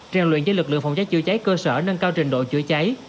trang luyện cho lực lượng phòng cháy chữa cháy cơ sở nâng cao trình độ chữa cháy